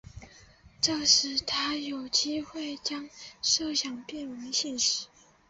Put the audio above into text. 这使他有机会将设想变为现实。